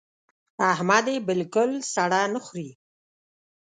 احمد يې بالکل سړه نه خوري.